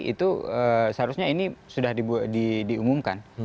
itu seharusnya ini sudah diumumkan